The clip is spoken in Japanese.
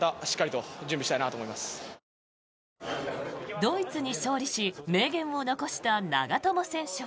ドイツに勝利し名言を残した長友選手は。